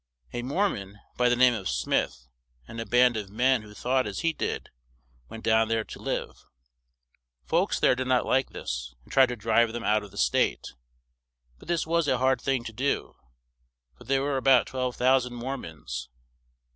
A Mor mon, by the name of Smith, and a band of men who thought as he did went down there to live; folks there did not like this and tried to drive them out of the state, but this was a hard thing to do, for there were a bout 12,000 Mor mons.